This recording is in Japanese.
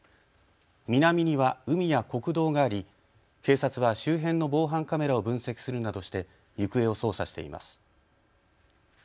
南には海や国道があり警察は周辺の防犯カメラを分析するなどして行方を捜査しています。